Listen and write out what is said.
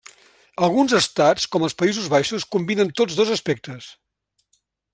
Alguns estats, com els Països Baixos, combinen tots dos aspectes.